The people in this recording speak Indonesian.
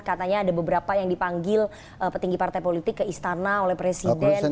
katanya ada beberapa yang dipanggil petinggi partai politik ke istana oleh presiden